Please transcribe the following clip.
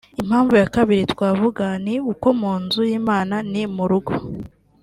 Impamvu ya kabiri twavuga ni uko mu nzu y’Imana ni mu rugo